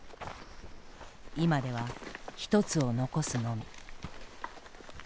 今では１つを残すのみ。